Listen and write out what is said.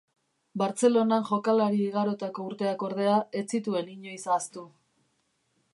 Bartzelonan jokalari igarotako urteak ordea, ez zituen inoiz ahaztu.